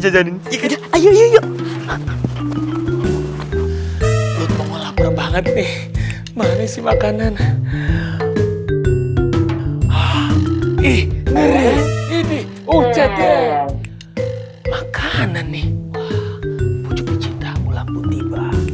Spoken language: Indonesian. jajan ayo yuk yuk banget nih manis makanan ini makanan nih